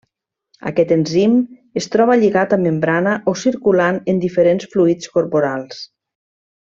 Aquest enzim es troba lligat a membrana o circulant en diferents fluids corporals.